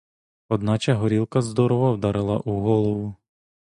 Одначе горілка здорово вдарила у голову!